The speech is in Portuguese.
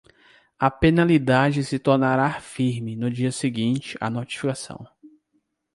A penalidade se tornará firme no dia seguinte à notificação.